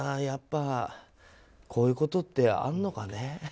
やっぱり、こういうことってあるのかね。